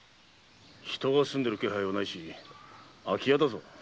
人が住んでる気配はないし空き家だぞ。